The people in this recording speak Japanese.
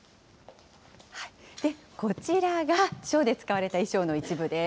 こちらがショーで使われた衣装の一部です。